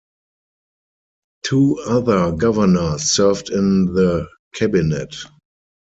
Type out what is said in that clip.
Two other governors served in the Cabinet.